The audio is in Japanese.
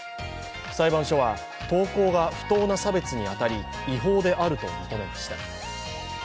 裁判所は、投稿が不当な差別に当たり、違法であると認めました。